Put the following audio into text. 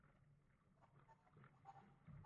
Ugonjwa huu hausababishi kifo